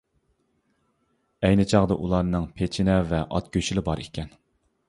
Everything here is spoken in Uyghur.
ئەينى چاغدا ئۇلارنىڭ پېچىنە ۋە ئات گۆشىلا بار ئىكەن.